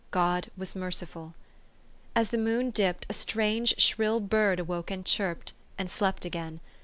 God was merciful. As the moon dipped, a strange shrill bird awoke and chirped, and slept again.